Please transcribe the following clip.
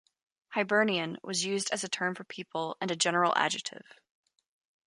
"Hibernian" was used as a term for people, and a general adjective.